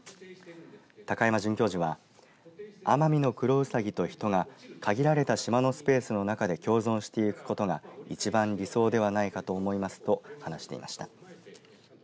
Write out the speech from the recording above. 高山准教授はアマミノクロウサギと人が限られた島のスペースの中で共存していくことが一番理想ではないかと思いますと話していました。